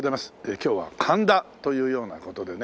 今日は神田というような事でね。